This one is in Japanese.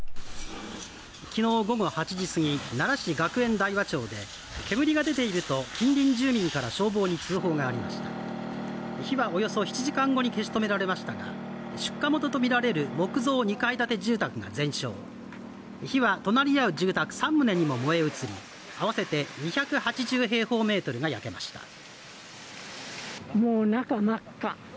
昨日午後８時過ぎ奈良市学園大和町で煙が出ていると近隣住民から消防に通報がありました火はおよそ７時間後に消し止められましたが出火元とみられる木造２階建て住宅が全焼火は隣り合う住宅三棟にも燃え移り合わせて２８０平方メートルが焼けました